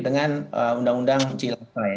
dengan undang undang cilai